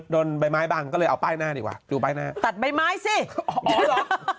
โดนใบไม้บังก็เลยเอาป้ายหน้าดีกว่าดูป้ายหน้าตัดใบไม้สิอ๋อเหรอ